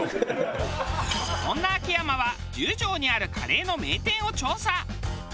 そんな秋山は十条にあるカレーの名店を調査。